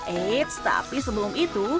eits tapi sebelum itu